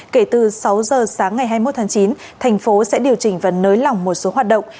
kể từ sáu giờ sáng ngày hai mươi một tháng chín thành phố sẽ điều chỉnh và nới lỏng một số hoạt động